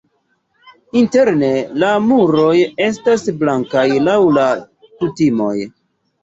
Interne la muroj estas blankaj laŭ la kutimoj.